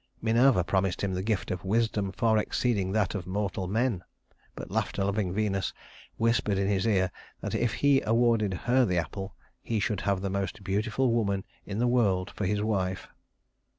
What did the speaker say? Minerva promised him the gift of wisdom far exceeding that of mortal men; but laughter loving Venus whispered in his ear that if he awarded her the apple, he should have the most beautiful woman in the world for his wife.